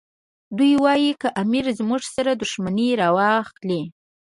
دی وایي که امیر زموږ سره دښمني راواخلي.